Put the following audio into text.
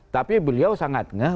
tapi beliau sangat ngeh